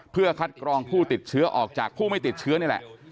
เพื่อคัดกรองผู้ติดเชื้อออกจากผู้ไม่ติดเชื้อนี่แหละ